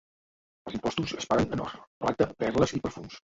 Els impostos es paguen en or, plata, perles i perfums.